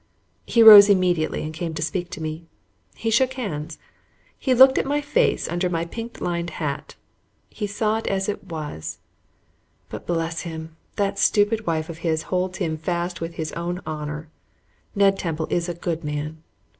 He rose immediately and came to speak to me. He shook hands. He looked at my face under my pink lined hat. He saw it as it was; but bless him! that stupid wife of his holds him fast with his own honor. Ned Temple is a good man.